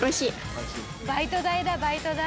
バイト代だバイト代。